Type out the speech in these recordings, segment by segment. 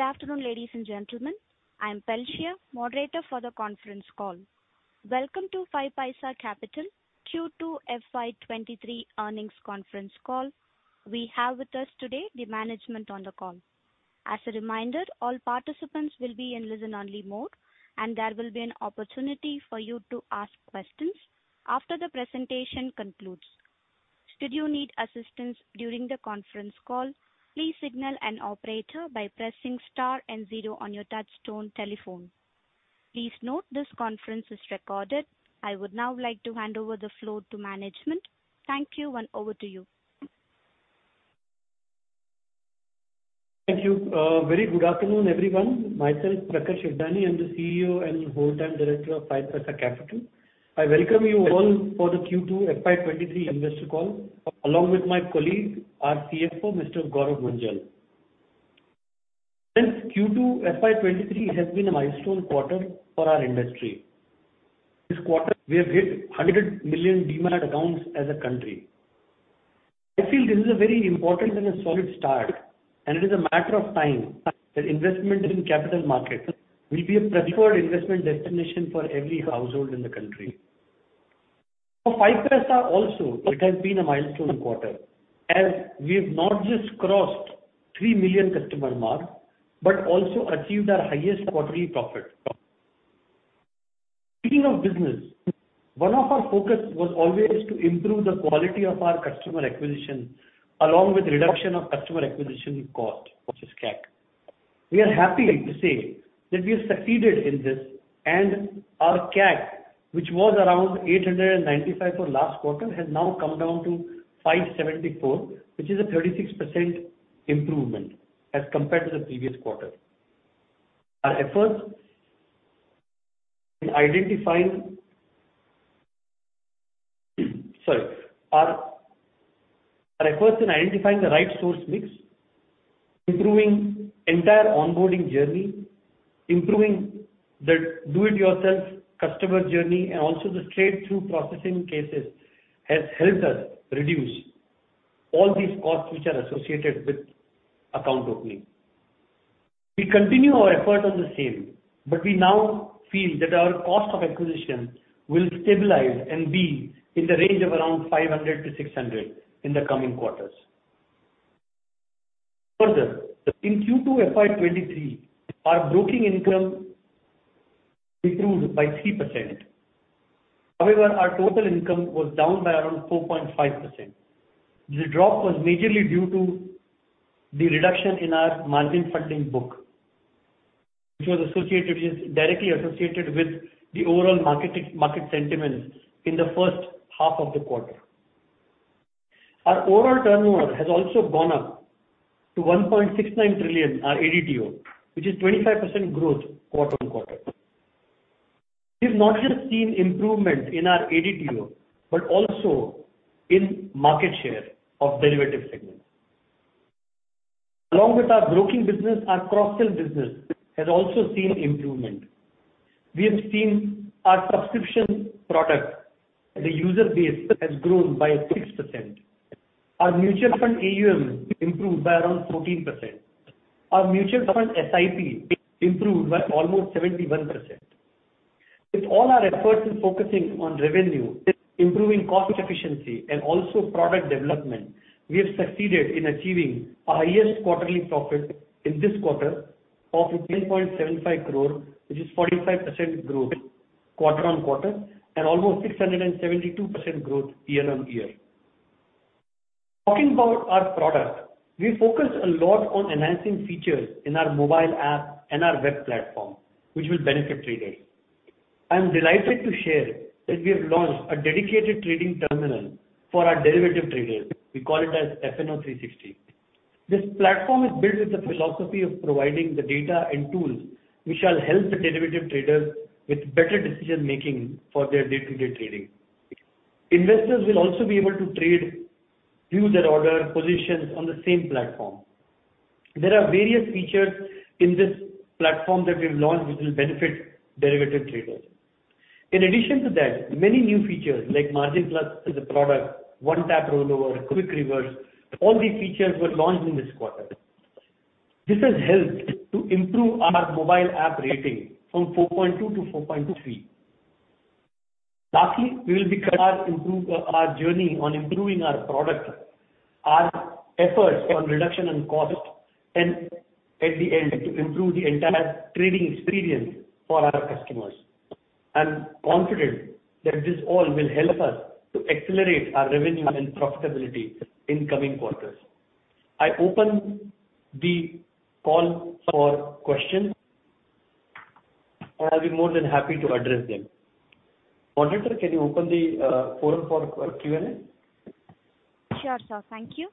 Good afternoon, ladies and gentlemen. I'm Felicia, Moderator for the conference call. Welcome to 5paisa Capital Q2 FY23 earnings conference call. We have with us today the management on the call. As a reminder, all participants will be in listen-only mode, and there will be an opportunity for you to ask questions after the presentation concludes. Should you need assistance during the conference call, please signal an operator by pressing star and zero on your touchtone telephone. Please note this conference is recorded. I would now like to hand over the floor to management. Thank you, and over to you. Thank you. Very good afternoon, everyone. Myself, Prakarsh Gagdani. I'm the CEO and whole-time director of 5paisa Capital. I welcome you all for the Q2 FY23 investor call, along with my colleague, our CFO, Mr. Gourav Munjal. Since Q2 FY23 has been a milestone quarter for our industry. This quarter we have hit 100 million Demat accounts as a country. I feel this is a very important and a solid start, and it is a matter of time that investment in capital markets will be a preferred investment destination for every household in the country. For 5paisa also, it has been a milestone quarter as we've not just crossed 3 million customer mark, but also achieved our highest quarterly profit. Speaking of business, one of our focus was always to improve the quality of our customer acquisition, along with reduction of customer acquisition cost, which is CAC. We are happy to say that we have succeeded in this and our CAC, which was around 895 for last quarter, has now come down to 574, which is a 36% improvement as compared to the previous quarter. Our efforts in identifying the right source mix, improving entire onboarding journey, improving the do-it-yourself customer journey, and also the straight-through processing cases has helped us reduce all these costs which are associated with account opening. We continue our effort on the same, but we now feel that our cost of acquisition will stabilize and be in the range of around 500-600 in the coming quarters. Further, in Q2 FY23, our broking income improved by 3%. However, our total income was down by around 4.5%. The drop was majorly due to the reduction in our margin funding book, which was associated with, directly associated with the overall market sentiment in the first half of the quarter. Our overall turnover has also gone up to 1.69 trillion, our ADTO, which is 25% growth quarter-on-quarter. We've not just seen improvements in our ADTO, but also in market share of derivative segments. Along with our broking business, our cross-sell business has also seen improvement. We have seen our subscription product, the user base has grown by 6%. Our mutual fund AUM improved by around 14%. Our mutual fund SIP improved by almost 71%. With all our efforts in focusing on revenue, improving cost efficiency and also product development, we have succeeded in achieving our highest quarterly profit in this quarter of 10.75 crore, which is 45% growth quarter-on-quarter, and almost 672% growth year-on-year. Talking about our product, we focus a lot on enhancing features in our mobile app and our web platform, which will benefit traders. I am delighted to share that we have launched a dedicated trading terminal for our derivative traders. We call it as FnO 360. This platform is built with the philosophy of providing the data and tools which shall help the derivative traders with better decision-making for their day-to-day trading. Investors will also be able to trade, view their order, positions on the same platform. There are various features in this platform that we've launched which will benefit derivative traders. In addition to that, many new features like MarginPlus as a product, One-tap Rollover, Quick Reverse, all these features were launched in this quarter. This has helped to improve our mobile app rating from 4.2 to 4.3. Lastly, we will continue our journey on improving our product, our efforts on reduction in cost, and at the end, to improve the entire trading experience for our customers. I'm confident that this all will help us to accelerate our revenue and profitability in coming quarters. I open the call for questions, and I'll be more than happy to address them. Moderator, can you open the forum for Q&A? Sure, sir. Thank you.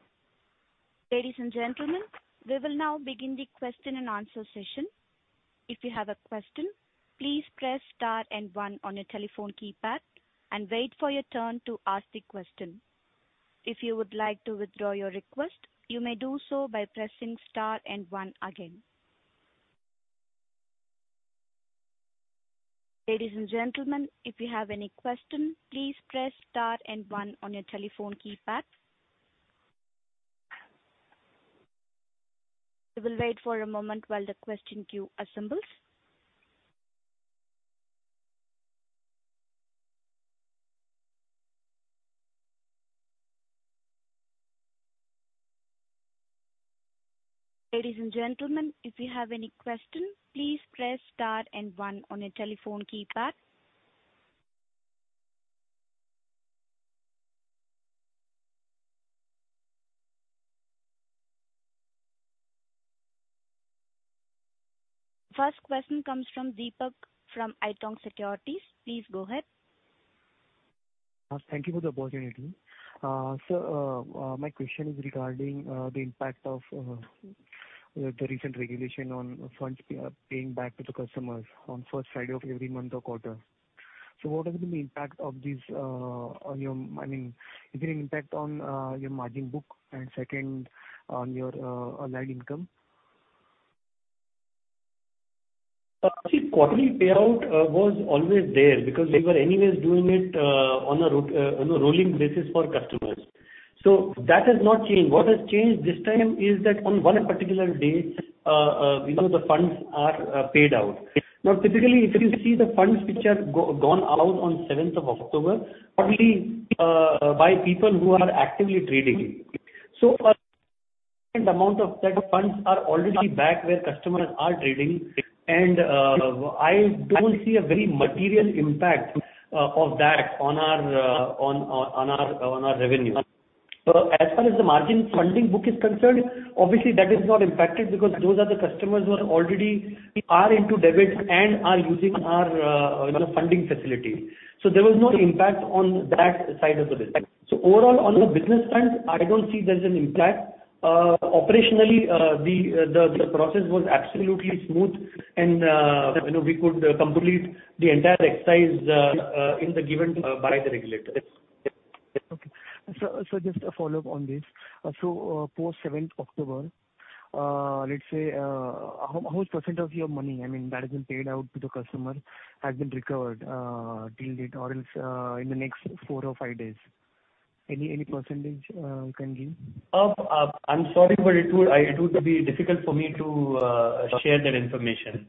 Ladies and gentlemen, we will now begin the question and answer session. If you have a question, please press star and one on your telephone keypad and wait for your turn to ask the question. If you would like to withdraw your request, you may do so by pressing star and one again. Ladies and gentlemen, if you have any question, please press star and one on your telephone keypad. We will wait for a moment while the question queue assembles. Ladies and gentlemen, if you have any question, please press star and one on your telephone keypad. First question comes from Deepak from IIFL Securities. Please go ahead. Thank you for the opportunity. My question is regarding the impact of the recent regulation on funds paying back to the customers on first Friday of every month or quarter. What has been the impact of this on your margin book and second, on your other income? See, quarterly payout was always there because they were anyways doing it on a rolling basis for customers. That has not changed. What has changed this time is that on one particular date, you know, the funds are paid out. Now, typically, if you see the funds which have gone out on seventh of October quarterly by people who are actively trading. A certain amount of such funds are already back where customers are trading, and I don't see a very material impact of that on our revenue. As far as the margin funding book is concerned, obviously that is not impacted because those are the customers who are already are into debits and are using our, you know, funding facility. There was no impact on that side of the business. Overall, on a business front, I don't see there's an impact. Operationally, the process was absolutely smooth and, you know, we could complete the entire exercise in the time given by the regulators. Okay. Just a follow-up on this. Post seventh October, let's say, how % of your money, I mean, that has been paid out to the customer has been recovered till date or else in the next four or five days? Any percentage you can give? I'm sorry, but it would be difficult for me to share that information.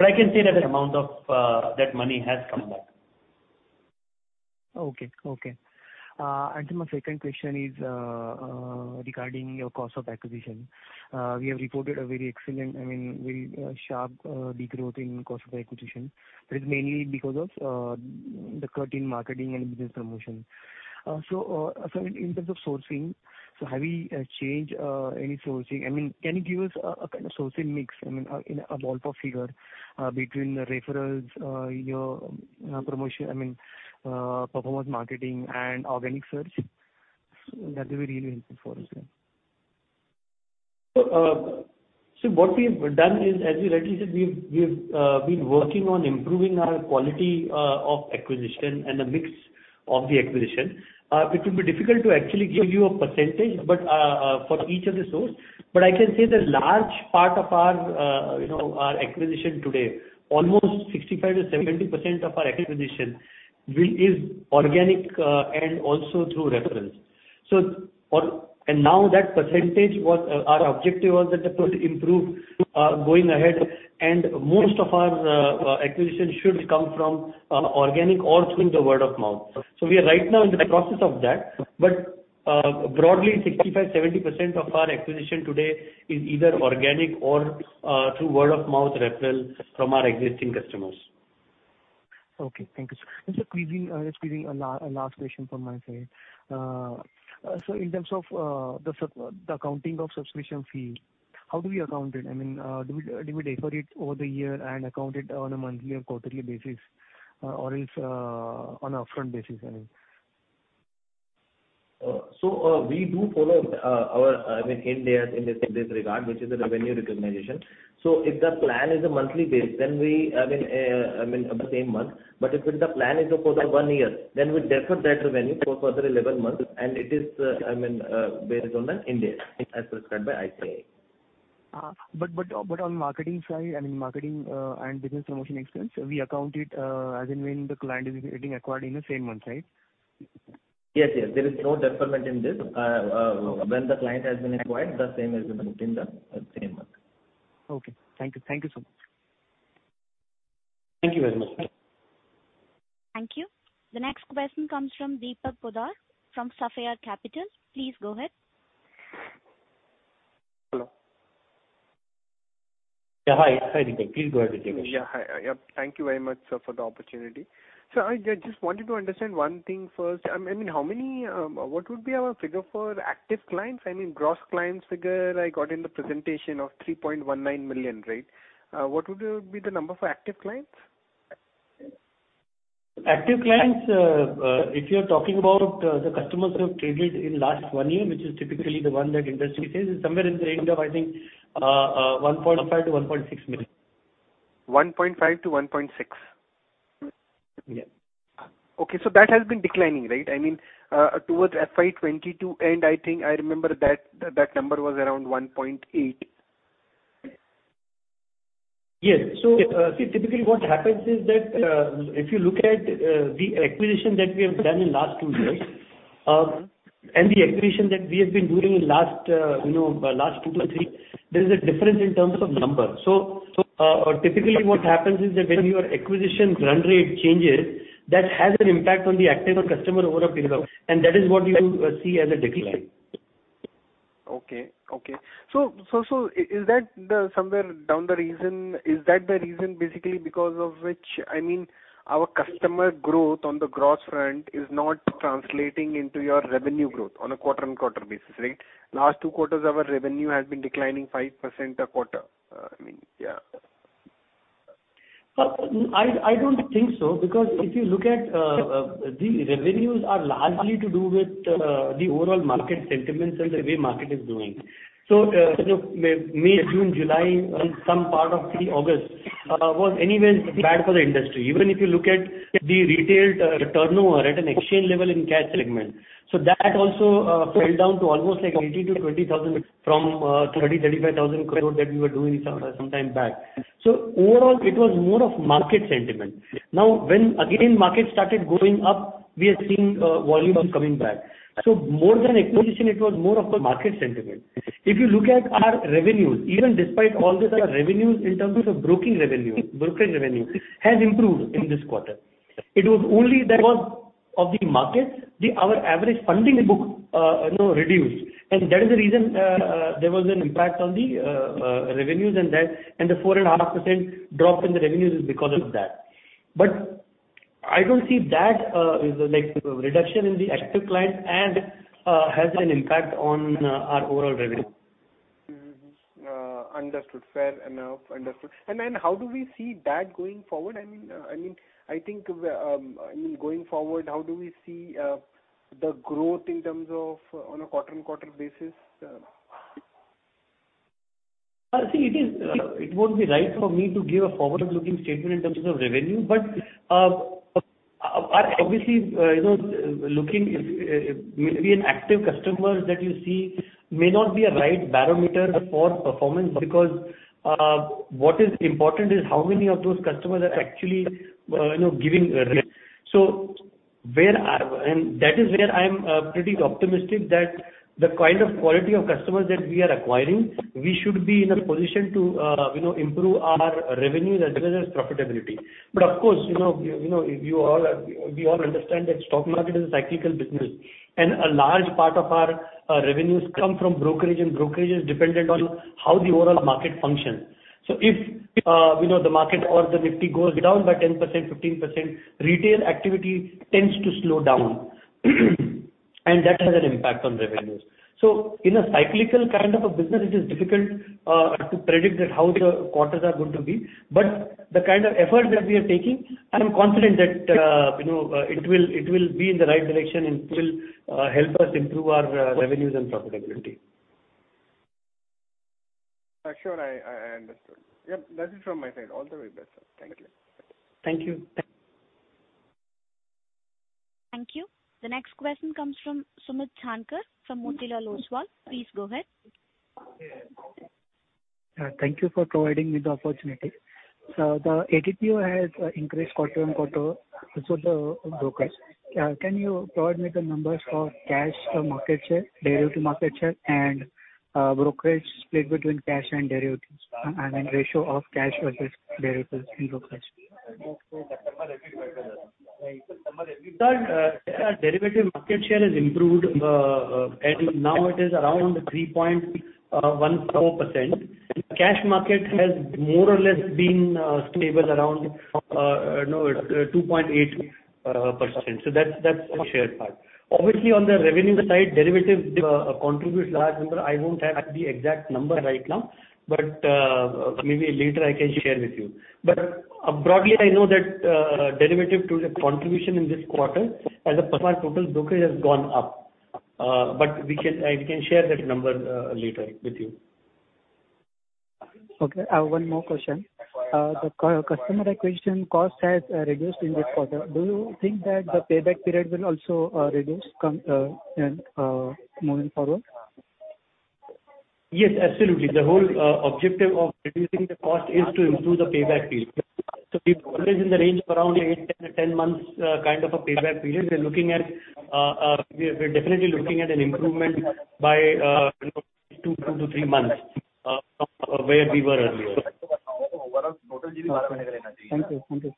I can say that the amount of that money has come back. Okay. My second question is regarding your cost of acquisition. We have reported a very excellent, I mean, very sharp decrease in cost of acquisition. That is mainly because of the cut in marketing and business promotion. In terms of sourcing, have you changed any sourcing? I mean, can you give us a kind of sourcing mix, I mean, a ballpark figure between the referrals, your promotion, I mean, performance marketing and organic search? That would be really helpful for us. What we've done is, as you rightly said, we've been working on improving our quality of acquisition and the mix of the acquisition. It will be difficult to actually give you a percentage, but for each of the source. I can say that large part of our you know, our acquisition today, almost 65%-70% of our acquisition is organic and also through reference. Our objective was that it would improve going ahead, and most of our acquisition should come from organic or through the word of mouth. We are right now in the process of that. Broadly, 65-70% of our acquisition today is either organic or through word of mouth referrals from our existing customers. Okay. Thank you, sir. Just a quickie, a last question from my side. So in terms of the accounting of subscription fee, how do we account it? I mean, do we defer it over the year and account it on a monthly or quarterly basis, or else on upfront basis, I mean? We follow our Ind AS in this regard, which is revenue recognition. If the plan is a monthly basis, then we, I mean, in the same month. If the plan is for one year, then we defer that revenue for further 11 months, and it is based on Ind AS prescribed by ICAI. On marketing side, I mean, marketing and business promotion expense, we account it as and when the client is getting acquired in the same month, right? Yes. Yes. There is no deferment in this. When the client has been acquired the same has been booked in the same month. Okay. Thank you. Thank you so much. Thank you very much. Thank you. The next question comes from Deepak Poddar from Safal Capital. Please go ahead. Hello. Yeah. Hi, Deepak. Please go ahead with your question. Hi. Thank you very much, sir, for the opportunity. I just wanted to understand one thing first. I mean, how many, what would be our figure for active clients? I mean, gross clients figure I got in the presentation of 3.19 million, right? What would be the number for active clients? Active clients, if you're talking about the customers who have traded in last one year, which is typically the one that industry says, is somewhere in the range of, I think, 1.5-1.6 million. One point five to one point six? Yeah. Okay. That has been declining, right? I mean, towards FY 2022 end, I think I remember that number was around 1.8. Yes. See, typically what happens is that, if you look at, the acquisition that we have done in last 2 years, and the acquisition that we have been doing in last, you know, last 2 to 3, there is a difference in terms of numbers. Typically what happens is that when your acquisition run rate changes, that has an impact on the active customer over a period of time, and that is what you see as a decline. Is that the reason basically because of which, I mean, our customer growth on the gross front is not translating into your revenue growth on a quarter-on-quarter basis, right? Last two quarters, our revenue has been declining 5% a quarter. I mean, yeah. Well, I don't think so, because if you look at the revenues are largely to do with the overall market sentiments and the way market is doing. You know, May, June, July, and some part of August was anyways bad for the industry, even if you look at the retail turnover at an exchange level in cash segment. That also fell down to almost like 8,000 crore-2,000 crore from 35,000 crore that we were doing some time back. Overall, it was more of market sentiment. Now, when again market started going up, we are seeing volumes coming back. More than acquisition, it was more of a market sentiment. If you look at our revenues, even despite all this, our revenues in terms of broking revenue, brokerage revenue has improved in this quarter. It was only because of the market, our average funding book reduced. That is the reason there was an impact on the revenues and that, and the 4.5% drop in the revenues is because of that. But I don't see that is like reduction in the active clients and has an impact on our overall revenue. Understood. Fair enough. Understood. How do we see that going forward? I mean, going forward, how do we see the growth in terms of on a quarter-on-quarter basis? It won't be right for me to give a forward-looking statement in terms of revenue. Obviously, you know, maybe an active customer that you see may not be a right barometer for performance because what is important is how many of those customers are actually, you know, giving revenue. That is where I'm pretty optimistic that the kind of quality of customers that we are acquiring, we should be in a position to, you know, improve our revenues as well as profitability. Of course, you know, you all, we all understand that stock market is a cyclical business, and a large part of our revenues come from brokerage, and brokerage is dependent on how the overall market functions. If the market or the Nifty goes down by 10%, 15%, retail activity tends to slow down, and that has an impact on revenues. In a cyclical kind of a business, it is difficult to predict that how the quarters are going to be. The kind of effort that we are taking, I am confident that it will be in the right direction and it will help us improve our revenues and profitability. Sure. I understood. Yep. That's it from my side. All the very best, sir. Thank you. Thank you. Thank you. The next question comes from Sumit Chandak from Motilal Oswal. Please go ahead. Thank you for providing me the opportunity. The ADTO has increased quarter-over-quarter. Can you provide me the numbers for cash market share, derivative market share and brokerage split between cash and derivatives, and ratio of cash versus derivatives in brokerage? Sir, derivatives market share has improved, and now it is around 3.14%. Cash market has more or less been stable around, you know, 2.8%. That's the share part. Obviously, on the revenue side, derivatives contribute large number. I don't have the exact number right now, but maybe later I can share with you. Broadly, I know that derivatives' contribution in this quarter as a percent of total brokerage has gone up. I can share that number later with you. Okay. One more question. The customer acquisition cost has reduced in this quarter. Do you think that the payback period will also reduce, and moving forward? Yes, absolutely. The whole objective of reducing the cost is to improve the payback period. We're always in the range of around 8-10 months kind of a payback period. We're definitely looking at an improvement by, you know, 2-3 months from where we were earlier. Okay. Thank you. Thank you.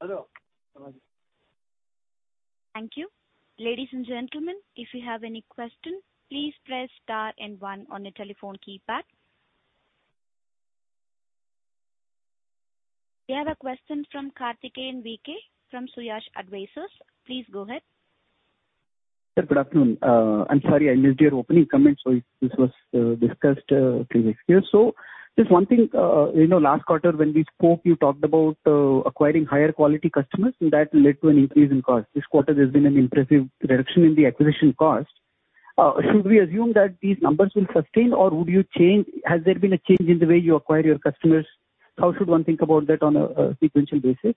Hello. Thank you. Ladies and gentlemen, if you have any questions, please press star and one on your telephone keypad. We have a question from Karthikeyan VK from Suyash Advisors. Please go ahead. Sir, good afternoon. I'm sorry I missed your opening comments, so if this was discussed previously. Just one thing, you know, last quarter when we spoke, you talked about acquiring higher quality customers and that led to an increase in cost. This quarter there's been an impressive reduction in the acquisition cost. Should we assume that these numbers will sustain? Has there been a change in the way you acquire your customers? How should one think about that on a sequential basis?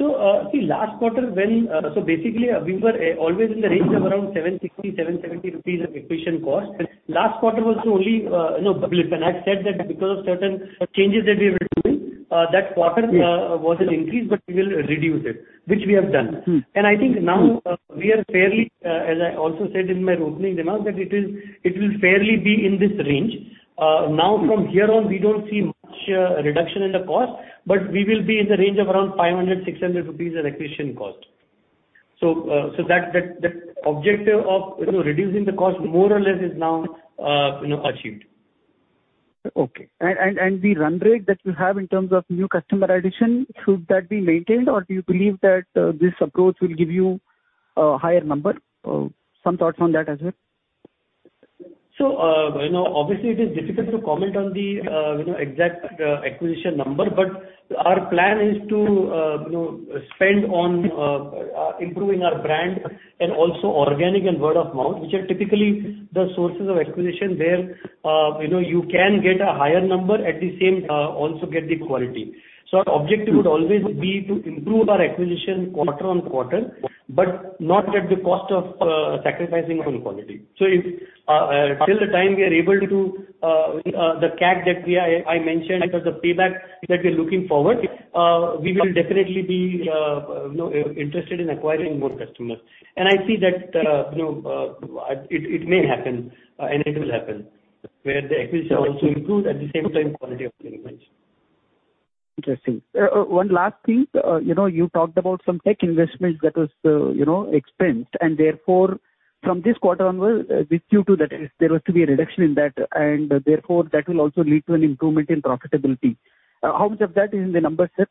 Last quarter, we were always in the range of around 760-770 rupees of acquisition cost. Last quarter was only, you know, and I said that because of certain changes that we were doing, that quarter. Yeah. was an increase, but we will reduce it, which we have done. Mm-hmm. I think now. Mm-hmm. We are fairly, as I also said in my opening remarks, that it will fairly be in this range. Now from here on we don't see much reduction in the cost, but we will be in the range of around 500-600 rupees of acquisition cost. That objective of, you know, reducing the cost more or less is now, you know, achieved. Okay. The run rate that you have in terms of new customer addition, should that be maintained or do you believe that this approach will give you a higher number? Some thoughts on that as well. You know, obviously it is difficult to comment on the exact acquisition number, but our plan is to spend on improving our brand and also organic and word of mouth, which are typically the sources of acquisition where you know you can get a higher number at the same also get the quality. Our objective would always be to improve our acquisition quarter-on-quarter, but not at the cost of sacrificing on quality. If till the time we are able to the CAC that we are, I mentioned as the payback that we're looking forward, we will definitely be you know interested in acquiring more customers. I see that, you know, it may happen, and it will happen where the acquisition also improves at the same time quality of Interesting. One last thing. You know, you talked about some tech investments that was expensed and therefore from this quarter onwards, due to that there was to be a reduction in that and therefore that will also lead to an improvement in profitability. How much of that is in the numbers, sir?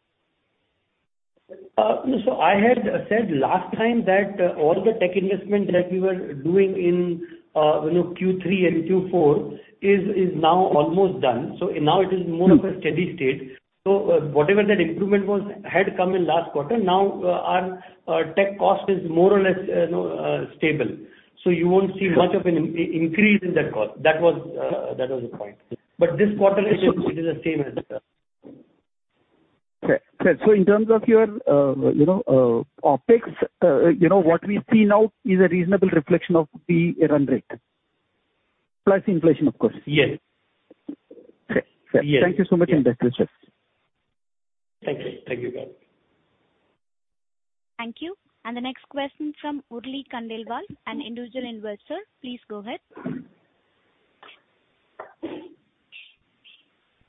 I had said last time that all the tech investment that we were doing in, you know, Q3 and Q4 is now almost done. Now it is more of a steady state. Whatever that improvement was had come in last quarter. Now our tech cost is more or less, you know, stable. You won't see much of an increase in that cost. That was the point. This quarter it is the same as that. Okay. In terms of your, you know, OpEx, you know, what we see now is a reasonable reflection of the run rate, plus inflation of course. Yes. Okay. Yes. Thank you so much. Best wishes. Thank you. Thank you, guys. Thank you. The next question from Vishal Khandelwal, an individual investor. Please go ahead.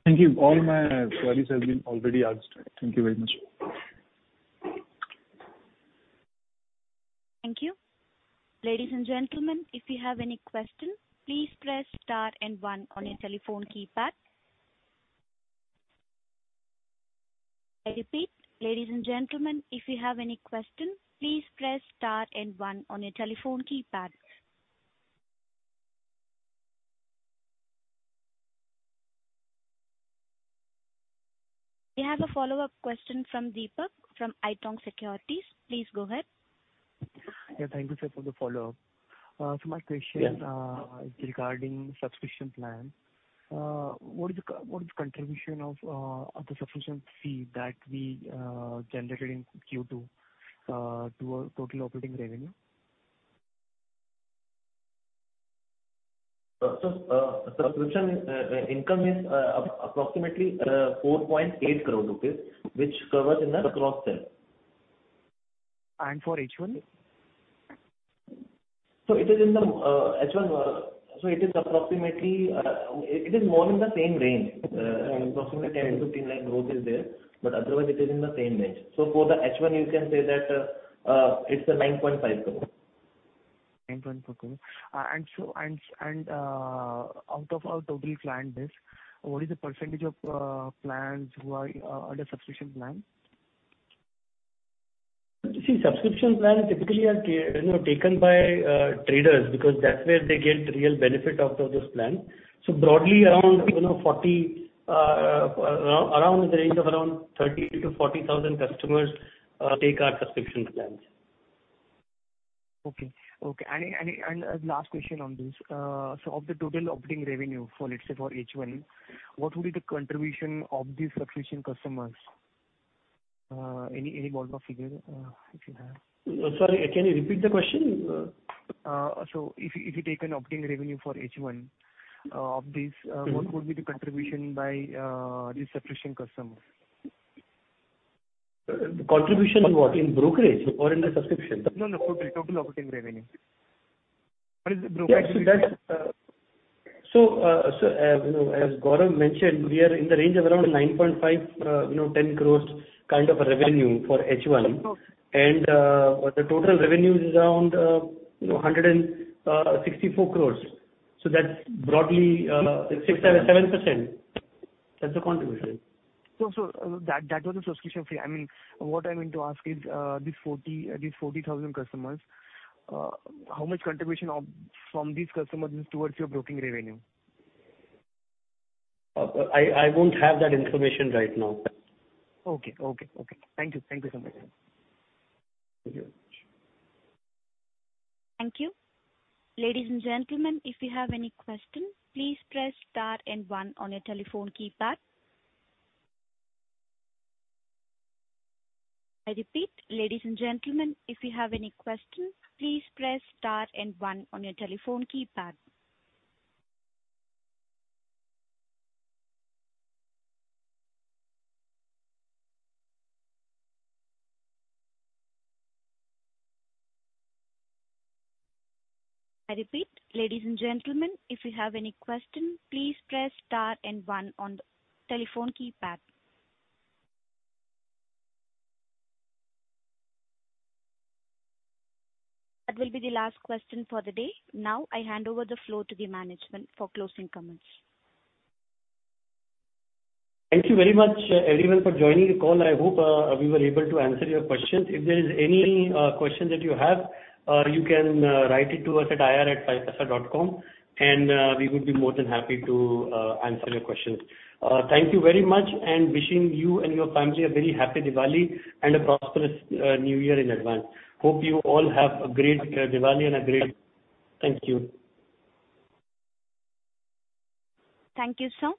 Thank you. All my queries have been already asked. Thank you very much. Thank you. Ladies and gentlemen, if you have any question, please press star and one on your telephone keypad. I repeat. Ladies and gentlemen, if you have any question, please press star and one on your telephone keypad. We have a follow-up question from Deepak Poddar from Safal Capital. Please go ahead. Yeah, thank you, sir, for the follow-up. My question. Yes. Regarding subscription plan. What is the contribution of the subscription fee that we generated in Q2 to our total operating revenue? Subscription income is approximately 4.8 crore rupees, which covers in the cross-sell. For H1? It is in the H1. It is more in the same range. Approximately 10%-10.9% growth is there, but otherwise it is in the same range. For the H1, you can say that it's 9.5 crore. INR 9.5 crore. Out of our total client base, what is the percentage of clients who are under subscription plan? See, subscription plan typically are, you know, taken by traders because that's where they get the real benefit of this plan. Broadly, around, you know, 40, around the range of around 30-40 thousand customers take our subscription plans. Last question on this. Of the total operating revenue for, let's say for H1, what would be the contribution of the subscription customers? Any ballpark figure, if you have? Sorry, can you repeat the question? If you take an operating revenue for H one of these, what would be the contribution by the subscription customers? Contribution in what? In brokerage or in the subscription? No, no. Total, total operating revenue. What is the brokerage? That's, as you know, as Gourav mentioned, we are in the range of around 9.5-10 crores kind of a revenue for H1. Okay. The total revenue is around, you know, 164 crores. That's broadly 6%-7%. That's the contribution. That was the subscription fee. I mean, what I meant to ask is, these 40,000 customers, how much contribution of, from these customers is towards your broking revenue? I won't have that information right now. Okay. Thank you so much. Thank you very much. Thank you. Ladies and gentlemen, if you have any questions, please press star and one on your telephone keypad. I repeat. Ladies and gentlemen, if you have any questions, please press star and one on your telephone keypad. I repeat. Ladies and gentlemen, if you have any questions, please press star and one on the telephone keypad. That will be the last question for the day. Now I hand over the floor to the management for closing comments. Thank you very much everyone for joining the call. I hope we were able to answer your questions. If there is any question that you have, you know, can write it to us at ir@5paisa.com, and we would be more than happy to answer your questions. Thank you very much, and wishing you and your family a very happy Diwali and a prosperous New Year in advance. Hope you all have a great Diwali and a great. Thank you. Thank you, sir.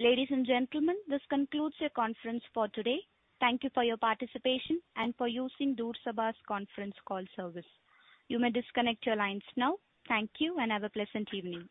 Ladies and gentlemen, this concludes your conference for today. Thank you for your participation and for using Chorus Call Conference Call Service. You may disconnect your lines now. Thank you, and have a pleasant evening.